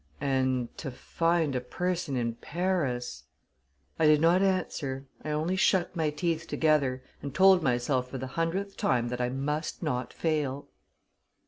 "And to find a person in Paris...." I did not answer: I only shut my teeth together, and told myself for the hundredth time that I must not fail.